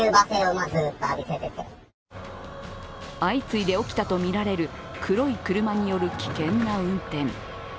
相次いで起きたとみられる黒い車による危険な運転。